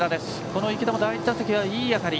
この池田も第１打席はいい当たり。